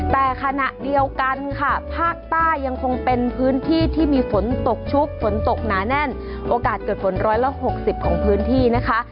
แต่ขณะเดียวกันค่ะภาคใต้ยังคงเป็นพื้นที่ที่มีฝนตกชุกฝนตกหนาแน่นโอกาสเกิดฝนร้อยละหกสิบของพื้นที่นะคะ